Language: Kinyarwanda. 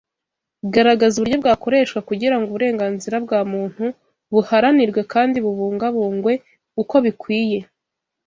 garagaza uburyo bwakoreshwa kugira ngo uburenganzira bwa muntu buharanirwe kandi bubungabungwe uko bikwiye